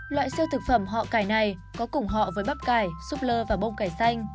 loại xeo thực phẩm họ cải này có cùng họ với bắp cải súp lơ và bông cải xanh